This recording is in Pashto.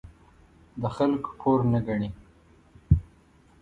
د خلکو پور نه ګڼي.